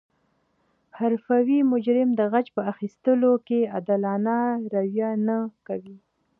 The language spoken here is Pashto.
حرفوي مجرم د غچ په اخستلو کې عادلانه رویه نه کوي